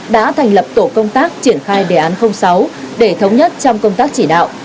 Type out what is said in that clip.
đã thành lập tổ công tác triển khai đề án sáu để thống nhất trong công tác chỉ đạo